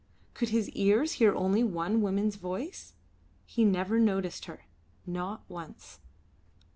Could his ears hear only one woman's voice? He never noticed her; not once.